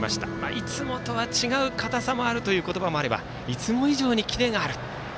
いつもとは違う硬さもあるという言葉もあればいつも以上にキレがある。